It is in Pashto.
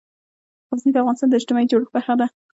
غزني د افغانستان د اجتماعي جوړښت برخه ده.